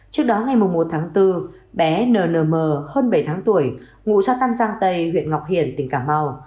trước đó ngày một tháng bốn bé n hơn bảy tháng tuổi ngụ xã tam giang tây huyện ngọc hiển tỉnh cà mau